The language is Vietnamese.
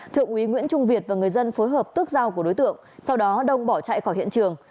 thượng úy nguyễn trung việt và người dân phối hợp tức dao của đối tượng sau đó đông bỏ chạy khỏi hiện trường